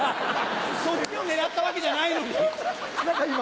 そっちを狙ったわけじゃないのに。